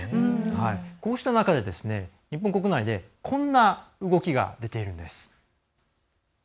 こうした中で日本国内でこんな動きが出ているんです。